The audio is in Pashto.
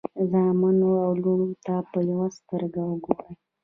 زامنو او لوڼو ته په یوه سترګه وګورئ.